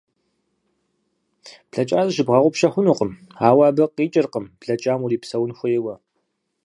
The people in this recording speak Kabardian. Блэкӏар зыщыбгъэгъупщэ хъунукъым, ауэ абы къикӏыркъым блэкӏам урипсэун хуейуэ.